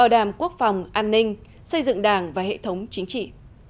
đảm quốc phòng an ninh xây dựng đảng và hệ thống chính trị